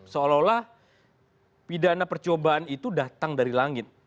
seolah olah pidana percobaan itu datang dari langit